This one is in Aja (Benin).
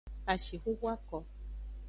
Ashixuxu ako.